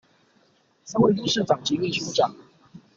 三位副市長及秘書長